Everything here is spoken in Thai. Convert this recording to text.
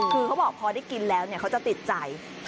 คือเขาบอกพอได้กินแล้วเขาจะติดใจ